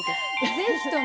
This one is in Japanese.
ぜひとも！